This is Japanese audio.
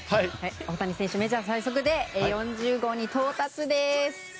大谷選手、メジャー最速で４０号に到達です！